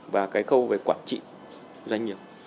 và cái khâu về quản trị doanh nghiệp